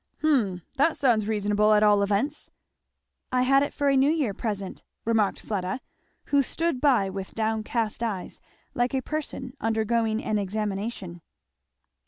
] "Hum that sounds reasonable, at all events." "I had it for a New Year present," remarked Fleda, who stood by with down cast eyes, like a person undergoing an examination.